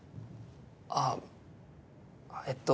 ああえっと